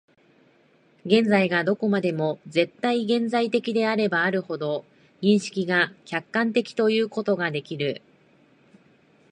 現在がどこまでも絶対現在的であればあるほど、認識が客観的ということができる。